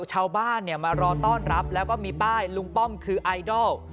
ชาวบ้านมารอต้อนรับแล้วก็มีป้ายลุงป้อมคือไอดอล